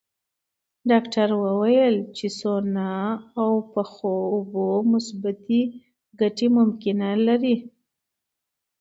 ډاکټره وویل چې سونا او یخو اوبو مثبتې ګټې ممکنه لري.